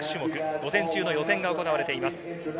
午前中の予選が行われています。